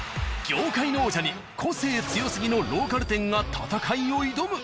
業界の王者に個性強すぎのローカル店が戦いを挑む！